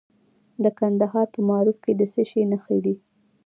د کندهار په معروف کې د څه شي نښې دي؟